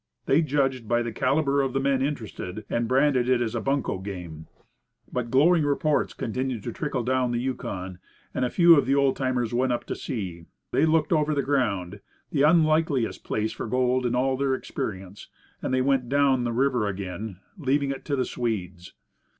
They judged by the calibre of the men interested, and branded it a bunco game. But glowing reports continued to trickle down the Yukon, and a few of the old timers went up to see. They looked over the ground the unlikeliest place for gold in all their experience and they went down the river again, "leaving it to the Swedes."